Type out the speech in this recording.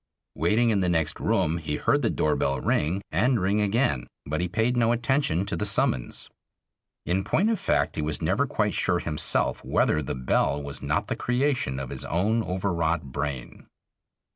Waiting in the next room he heard the door bell ring, and ring again, but he paid no attention to the summons. In point of fact he was never quite sure himself whether the bell was not the creation of his own overwrought brain.